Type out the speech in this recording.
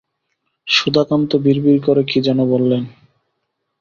সুধাকান্ত বিড়বিড় করে কী-যেন বললেন।